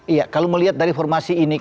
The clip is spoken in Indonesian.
iya kalau melihat dari formasi ini